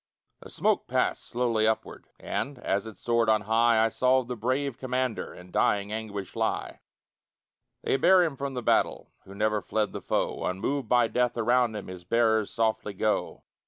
The smoke passed slowly upward And, as it soared on high, I saw the brave commander In dying anguish lie. They bear him from the battle Who never fled the foe; Unmoved by death around them His bearers softly go.